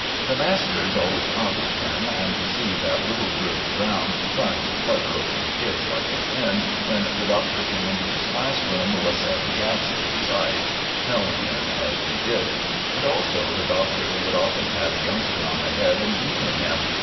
The masters always copied him, and to see that little brute Browne trying to flutter over the kids like a hen when the Doctor came into his class room was a ghastly sight, knowing him as we did. Also the Doctor would often pat a youngster on the head and beam at him.